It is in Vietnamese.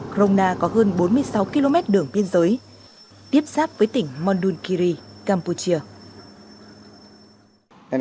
kromna có hơn bốn mươi sáu km đường biên giới tiếp sáp với tỉnh mondunkiri campuchia